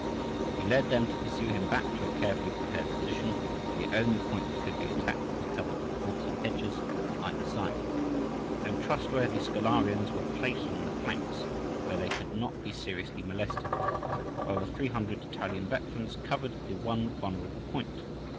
He led them to pursue him back to a carefully prepared position, where the only point that could be attacked was covered with woods and hedges on either side. The untrustworthy "Scholarians" were placed on the flanks, where they could not be seriously molested, while the 300 Italian veterans covered the one vulnerable point.